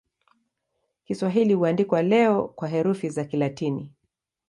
Kiswahili huandikwa leo kwa herufi za Kilatini.